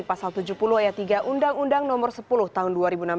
pasal tujuh puluh ayat tiga undang undang nomor sepuluh tahun dua ribu enam belas